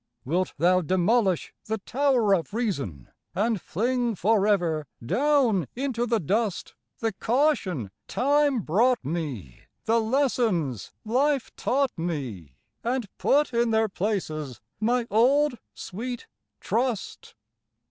Wilt thou demolish the tower of reason, And fling for ever down into the dust The caution time brought me, the lessons life taught me, And put in their places my old sweet trust?